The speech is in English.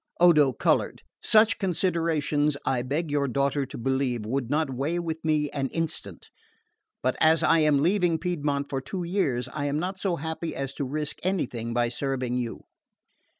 Odo coloured. "Such considerations, I beg your daughter to believe, would not weigh with me an instant; but as I am leaving Piedmont for two years I am not so happy as to risk anything by serving you."